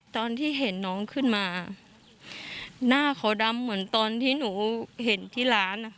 ตอนที่เห็นน้องขึ้นมาหน้าเขาดำเหมือนตอนที่หนูเห็นที่ร้านนะคะ